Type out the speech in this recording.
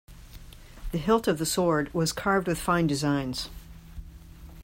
The hilt of the sword was carved with fine designs.